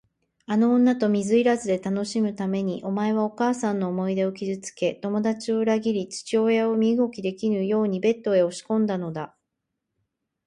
あの女と水入らずで楽しむために、お前はお母さんの思い出を傷つけ、友だちを裏切り、父親を身動きできぬようにベッドへ押しこんだのだ。